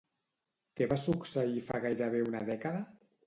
Què va succeir fa gairebé una dècada?